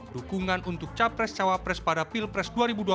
dukungan untuk capres cawapres pada pilpres dua ribu dua puluh